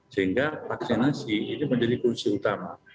sehingga vaksinasi ini menjadi kunci utama